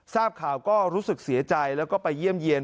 ทราบข่าวก็รู้สึกเสียใจแล้วก็ไปเยี่ยมเยี่ยน